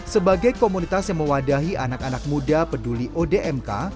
sebagai komunitas yang mewadahi anak anak muda peduli odmk